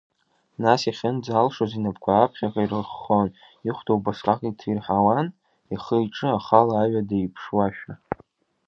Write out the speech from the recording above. Нас иахьынӡалшоз инапқәа аԥхьаҟа ирыххон, ихәда убасҟак иҭирҳауан, ихы-иҿы ахала аҩада иԥшуаә.